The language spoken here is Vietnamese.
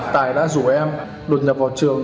tài đã rủ em đột nhập vào trường